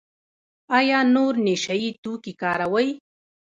ایا نور نشه یي توکي کاروئ؟